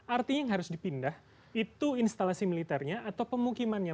artinya yang harus dipindah itu instalasi militernya atau pemukimannya